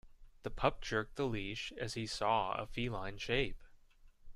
The pup jerked the leash as he saw a feline shape.